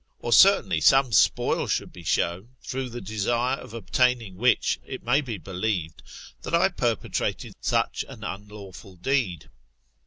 Or certainly some spoil should be shown, through the desire of obtaining which it may be believed that I perpetrated such an unlawful deed.